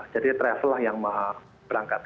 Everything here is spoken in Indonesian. jadi travel lah yang mau berangkat